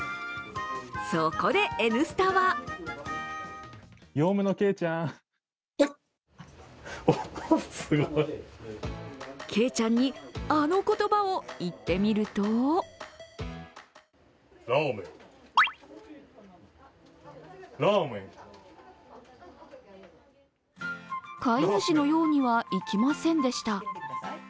そこで「Ｎスタ」はケイちゃんに、あの言葉を言ってみると飼い主のようにはいきませんでした。